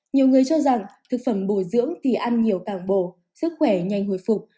nhiều người cho rằng thực phẩm bồi dưỡng thì ăn nhiều càng bổ sức khỏe nhanh hồi phục